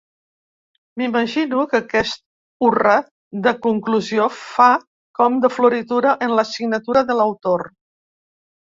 M'imagino que aquest hurra de conclusió fa com de floritura en la signatura de l'autor.